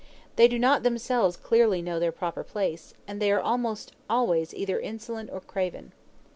They do not themselves clearly know their proper place, and they are almost always either insolent or craven.